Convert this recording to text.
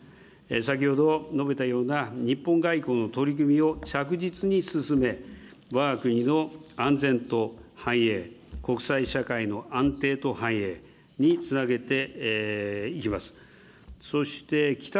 先ほど述べたような、日本外交の取り組みを着実に進め、わが国の安全と繁栄、国際社会の安定と繁栄につなげていきます。